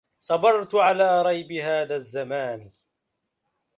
صبرت على ريب هذا الزمان